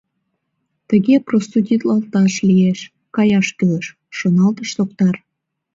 Тыге простудитлалташат лиеш, каяш кӱлеш, — шоналтыш Токтар.